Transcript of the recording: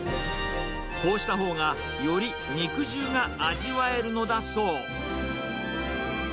こうしたほうが、より肉汁が味わえるのだそう。